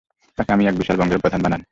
তাকে আমি এক বিশাল বংশের প্রধান বানাব।